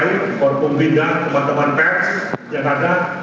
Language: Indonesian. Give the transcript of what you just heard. untuk pembina teman teman peds yang ada